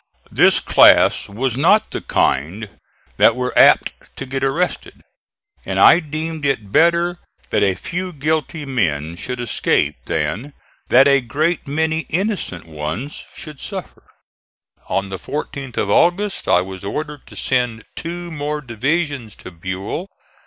This class was not of the kind that were apt to get arrested, and I deemed it better that a few guilty men should escape than that a great many innocent ones should suffer. On the 14th of August I was ordered to send two more divisions to Buell.